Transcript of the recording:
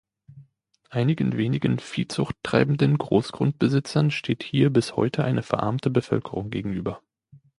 Einigen wenigen Viehzucht treibenden Großgrundbesitzern steht hier bis heute eine verarmte Bevölkerung gegenüber.